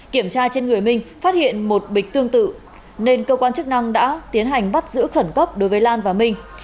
kiểm tra trên người minh phát hiện một bịch tương tự nên cơ quan chức năng đã tiến hành bắt giữ khẩn cấp đối với lan và minh